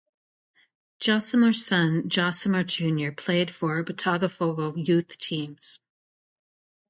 Josimar's son, Josimar Junior played for Botafogo youth teams.